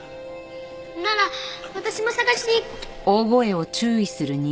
なら私も捜しに。